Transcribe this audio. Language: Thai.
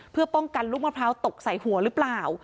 เพื่อป้องกันลูกมะพร้าวตกใส่หัวหรือเปล่า